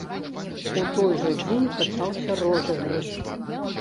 У той жа дзень пачаўся розыгрыш.